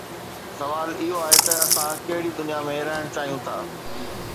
سوال اهو آهي ته اسان ڪهڙي دنيا ۾ رهڻ چاهيون ٿا؟